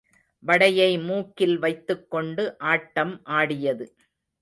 வடையை மூக்கில் வைத்துக்கொண்டு ஆட்டம் ஆடியது.